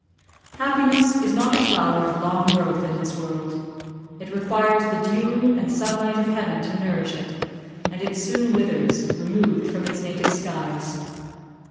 "Happiness is not a flower of long growth in this world; it requires the dew and sunlight of heaven to nourish it, and it soon withers, removed from its native skies.